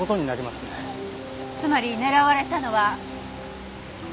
つまり狙われたのは。